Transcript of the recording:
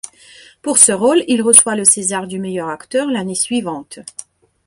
Pour ce rôle il reçoit le césar du meilleur acteur l'année suivante.